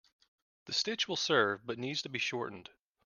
The stitch will serve but needs to be shortened.